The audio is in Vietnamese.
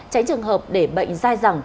tránh trường hợp để bệnh dai rẳng